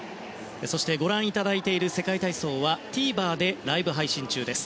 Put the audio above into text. ご覧いただいている世界体操はＴＶｅｒでもライブ配信中です。